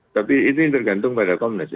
tapi itu tergantung pada komnas ya